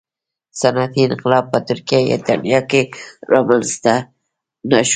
صنعتي انقلاب په ترکیه یا اېټالیا کې رامنځته نه شو